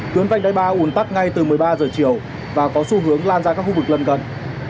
tuyến vành đai ba ủn tắc ngay từ một mươi ba giờ chiều và có xu hướng lan ra các khu vực lân cận